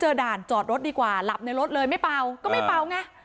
ด่านจอดรถดีกว่าหลับในรถเลยไม่เป่าก็ไม่เป่าไง